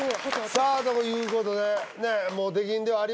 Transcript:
さあということで結実